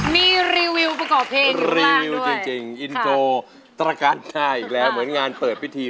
มีรีวิวประกอบเพลงรีวิวจริงอินโทรตรการหน้าอีกแล้วเหมือนงานเปิดพิธี